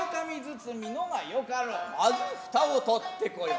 先ず蓋を取ってこよう。